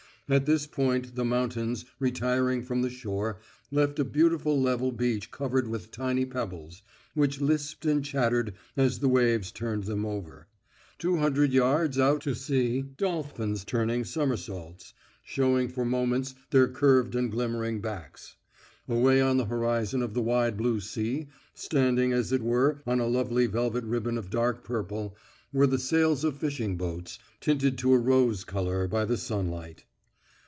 At this point the mountains, retiring from the shore, left a beautiful level beach covered with tiny pebbles, which lisped and chattered as the waves turned them over. Two hundred yards out to sea dolphins turned somersaults, showing for moments their curved and glimmering backs. Away on the horizon of the wide blue sea, standing as it were on a lovely velvet ribbon of dark purple, were the sails of fishing boats, tinted to a rose colour by the sunlight.